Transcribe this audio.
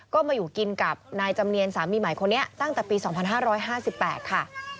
ก็มาอยู่กินกับนายจำเนียนสามีใหม่คนนี้ตั้งแต่ปี๒๕๕๘ค่ะ